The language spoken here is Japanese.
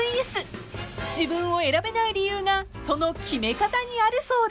［自分を選べない理由がその決め方にあるそうで］